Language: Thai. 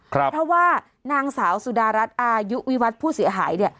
เพราะว่านางสาวสุดารัฐอายุวิวัตรผู้เสียหายเนี่ย